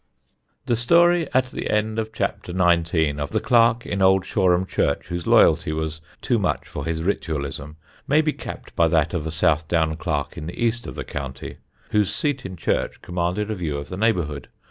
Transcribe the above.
'" [Sidenote: ANOTHER PARISH CLERK] The story, at the end of Chapter XIX, of the clerk in Old Shoreham church, whose loyalty was too much for his ritualism, may be capped by that of a South Down clerk in the east of the county, whose seat in church commanded a view of the neighbourhood.